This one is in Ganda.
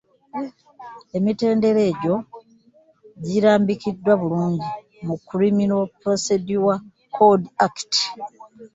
Emitendera egyo girambikiddwa bulungi mu Criminal Procedure Code Act.